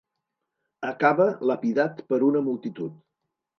Acaba lapidat per una multitud.